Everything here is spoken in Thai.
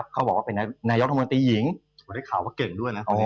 เขาบอกว่าเป็นนายกรัฐมนตรีหญิงวันนี้ข่าวว่าเก่งด้วยนะ